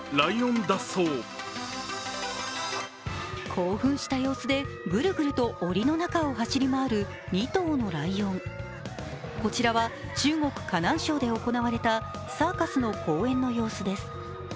興奮した様子で、ぐるぐるとおりの中を走り回る２頭のライオンこちらは中国・河南省で行われたサーカスの公演の様子です。